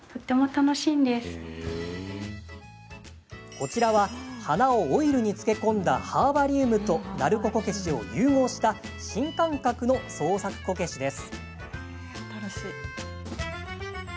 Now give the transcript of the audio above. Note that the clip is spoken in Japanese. こちらは、花をオイルにつけ込んだハーバリウムと鳴子こけしを融合した新感覚の創作こけしです。